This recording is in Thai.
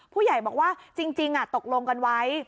ผู้ใหญ่บอกว่าจริงตกลงกันไว้